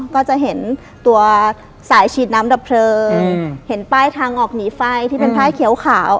ก็จะเห็นตัวสายฉีดน้ำดับเพลิงเห็นป้ายทางออกหนีไฟที่เป็นผ้าเขียวขาว